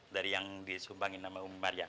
dari yang disumbangin sama umi mariam